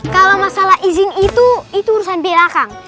kalau masalah izin itu itu urusan belakang